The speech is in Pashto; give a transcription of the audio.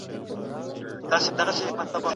دا اصول بايد وساتل شي.